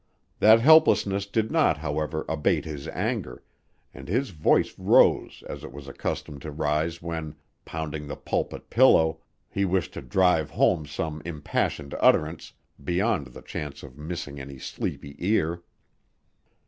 That helplessness did not, however, abate his anger, and his voice rose as it was accustomed to rise when, pounding the pulpit pillow, he wished to drive home some impassioned utterance, beyond the chance of missing any sleepy ear.